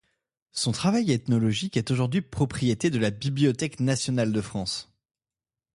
Son travail ethnologique est aujourd'hui propriété de la Bibliothèque nationale de France.